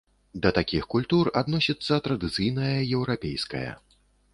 Да такіх культур адносіцца традыцыйная еўрапейская.